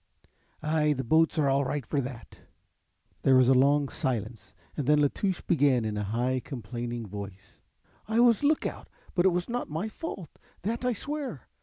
"Ay, the boats are all right for that." There was a long silence and then La Touche began in a high complaining voice: "I was lookout, but it was not my fault, that I swear.